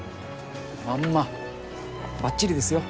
まんまばっちりですよ。